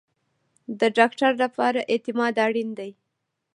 د ډاکټر لپاره اعتماد اړین دی